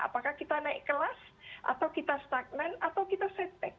apakah kita naik kelas atau kita stagnan atau kita setback